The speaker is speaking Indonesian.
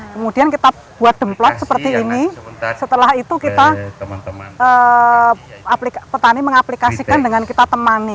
kemudian kita buat demplot seperti ini setelah itu kita petani mengaplikasikan dengan kita temani